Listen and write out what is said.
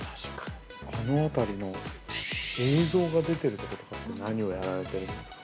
このあたりの映像が出ているところとかって、何をやられているんですか。